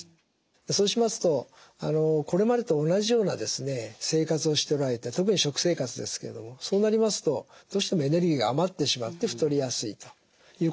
そうしますとこれまでと同じような生活をしておられて特に食生活ですけれどもそうなりますとどうしてもエネルギーが余ってしまって太りやすいということになりますね。